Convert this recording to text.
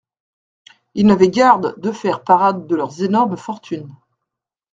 Ils n'avaient garde de faire parade de leurs énormes fortunes.